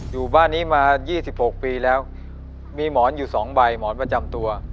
อยู่บ้านนี้มา๒๖ปีแล้วมีหมอนอยู่๒ใบหมอนประจำตัว